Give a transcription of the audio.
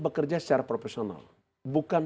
bekerja secara profesional bukan